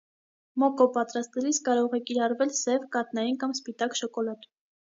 Մոկկո պատրաստելիս կարող է կիրառվել սև, կաթնային կամ սպիտակ շոկոլադ։